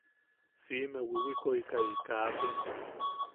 Siʼime wiwikoʼekai kaate.